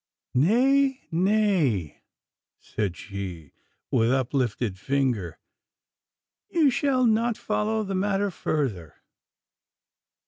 'Nay, nay,' said she, with uplifted finger, 'you shall not follow the matter further.